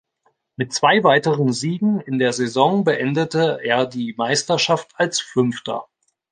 Mit zwei weiteren Siegen in der Saison beendete er die Meisterschaft als Fünfter.